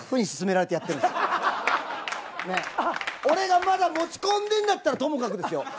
俺がまだ持ち込んでんだったらともかくですよ。